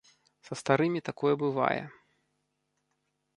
Са старымі такое бывае.